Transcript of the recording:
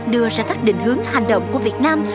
đưa ra các định hướng hành động của việt nam